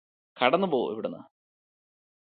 കടന്നുപോ ഇവിടുന്ന്